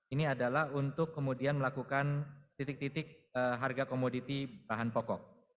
ini adalah untuk kemudian melakukan titik titik harga komoditi bahan pokok